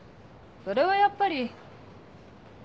それはやっぱり。